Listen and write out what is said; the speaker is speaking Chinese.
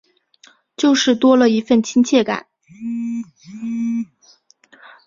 就是多了一分亲切感